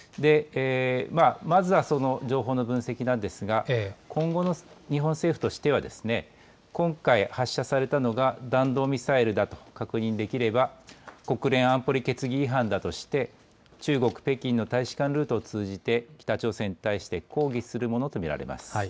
まずはその情報の分析なんですが今後の日本政府としては今回、発射されたのが弾道ミサイルだと確認できれば国連安保理決議違反だとして中国・北京の大使館ルートを通じて北朝鮮に対して抗議するものと見られます。